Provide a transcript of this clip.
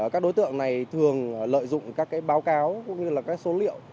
các đối tượng này thường lợi dụng các báo cáo cũng như là các số liệu